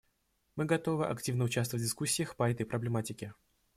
Мы готовы активно участвовать в дискуссиях по этой проблематике.